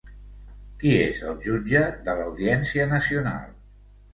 Qui és el jutge de l'Audiència Nacional?